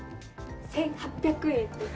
１８００円です。